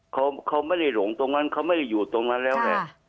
เขาไม่ได้หลงตรงนั้นเขาไม่ได้อยู่ตรงนั้นแล้วแหละ